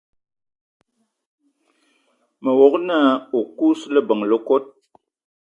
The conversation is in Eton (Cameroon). Me wog-na o kousma leben le kot